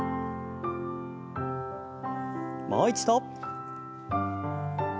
もう一度。